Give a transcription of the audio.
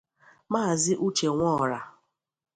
Maazị Uche Nworah